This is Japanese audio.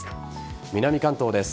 南関東です。